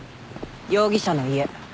容疑者の家。